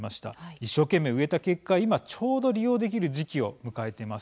一生懸命、植えた結果今ちょうど利用できる時期を迎えています。